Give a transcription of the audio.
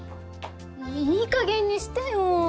いいかげんにしてよ